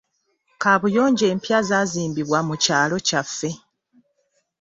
Kaabuyonjo empya zaazimbibwa mu kyalo kyaffe.